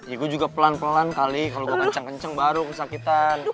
ya gue juga pelan pelan kali kalau gue kenceng kenceng baru kesakitan